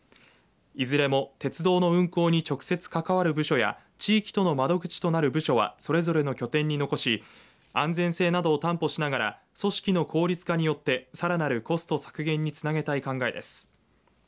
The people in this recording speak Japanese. いずれも鉄道の運行に直接関わる部署や地域との窓口となる部署はそれぞれの拠点に残し安全性などを担保しながら組織の効率化によってさらなるコスト削減へつなげたい考えです。